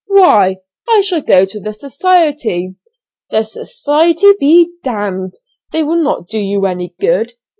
"Why, I shall go to the society." "The society be ! they will not do you any good."